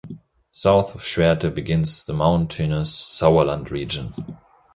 South of Schwerte begins the mountainous Sauerland region.